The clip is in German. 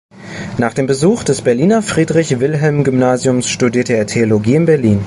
Nach dem Besuch des Berliner Friedrich-Wilhelm-Gymnasiums studierte er Theologie in Berlin.